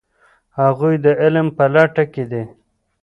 هغوی د علم په لټه کې دي.